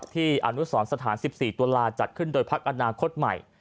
ที่อนุสรรค์สถาน๑๔ตัวลาจัดขึ้นโดยพักอาณาคตใหม่